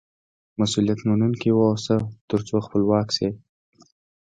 مسئولیت منونکی واوسه، تر څو خپلواک سې.